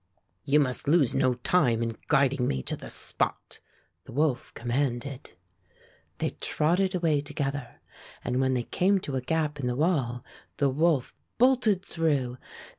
"You must lose no time in guiding me to the spot," the wolf commanded. They trotted away together, and when they came to a gap in the wall the wolf bolted through.